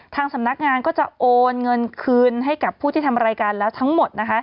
ทางสำนักงานก็จะโอนเงินคืนให้กับผู้ที่ทำรายการแล้วทั้งหมดนะคะ